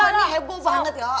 ya berdua nih heboh banget ya